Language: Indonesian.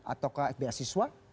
atau ke fbh siswa